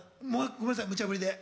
ごめんなさいむちゃぶりで。